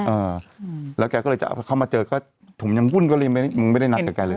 เออแล้วแกก็เลยจะเอามาเข้ามาเจอก็ถุ่มวุ่นเลยมึงไม่ได้นักกับใครเลย